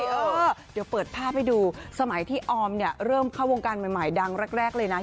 เออเดี๋ยวเปิดภาพให้ดูสมัยที่ออมเนี่ยเริ่มเข้าวงการใหม่ดังแรกเลยนะ